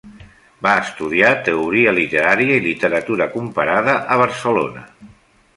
Va estudiar Teoria literària i Literatura comparada a Barcelona.